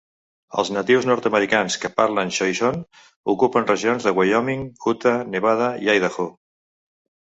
Els natius nord-americans que parlen xoixon ocupen regions de Wyoming, Utah, Nevada i Idaho.